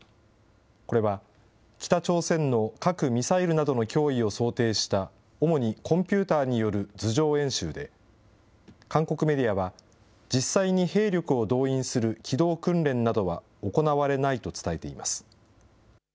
これは北朝鮮の核・ミサイルなどの脅威を想定した、主にコンピューターによる図上演習で、韓国メディアは、実際に兵力を動員する機動訓練などは行われないと伝えています。